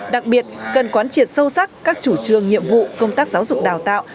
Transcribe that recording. đặc biệt cần quán triệt sâu sắc các chủ trương nhiệm vụ công tác giáo dục đào tạo